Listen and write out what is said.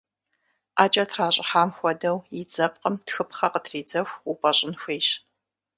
Ӏэкӏэ тращӏыхьам хуэдэу, и дзэпкъым тхыпхъэ къытридзэху упӏэщӏын хуейщ.